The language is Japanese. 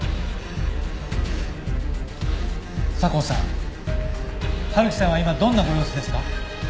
佐向さん春樹さんは今どんなご様子ですか？